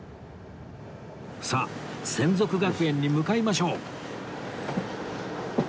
さあ洗足学園に向かいましょう